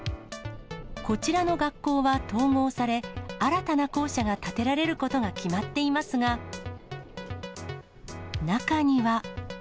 こちらの学校は統合され、新たな校舎が建てられることが決まっていますが、中には。